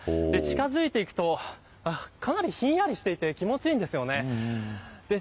近づいていくとかなりひんやりしていて気持ちいいですよね。